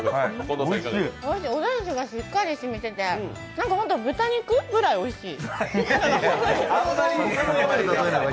おだしがしっかりしみてて本当に豚肉ぐらいおいしい。